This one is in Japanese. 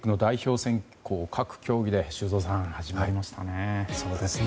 選考各競技で、修造さん始まりましたね。